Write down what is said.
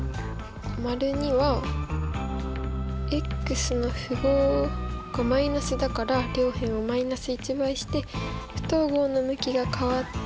②はの符号がマイナスだから両辺を−１倍して不等号の向きが変わって５。